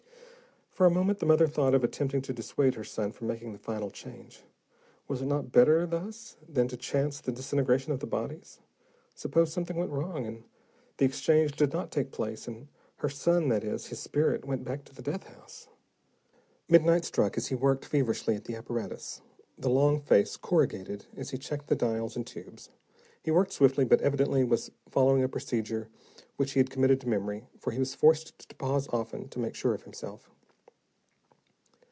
For a moment, the mother thought of attempting to dissuade her son from making the final change; was it not better thus, than to chance the disintegration of the bodies? Suppose something went wrong, and the exchange did not take place, and her son, that is, his spirit, went back to the death house? Midnight struck as he worked feverishly at the apparatus, the long face corrugated as he checked the dials and tubes. He worked swiftly, but evidently was following a procedure which he had committed to memory, for he was forced to pause often to make sure of himself.